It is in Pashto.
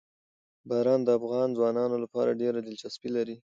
باران د افغان ځوانانو لپاره ډېره دلچسپي لري.